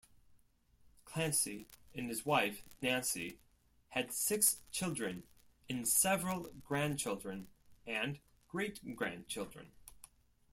Clancy and his wife, Nancy, had six children and several grandchildren and great-grandchildren.